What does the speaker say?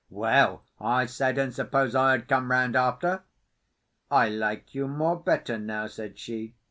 "Well!" I said. "And suppose I had come round after?" "I like you more better now," said she.